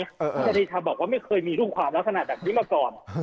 ทนายเดชาบอกว่าไม่เคยมีลูกความลักษณะแบบนี้มาก่อน